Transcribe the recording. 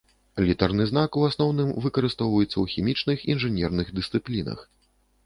Літарны знак у асноўным выкарыстоўваецца ў хімічных інжынерных дысцыплінах.